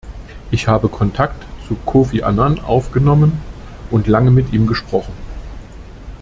Ich habe Kontakt zu Kofi Annan aufgenommen und lange mit ihm gesprochen.